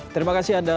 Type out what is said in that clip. terima kasih anda